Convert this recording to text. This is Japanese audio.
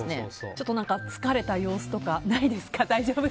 ちょっと疲れた様子とかないですか。